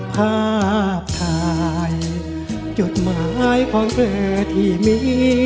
ภาพถ่ายจดหมายของเธอที่มี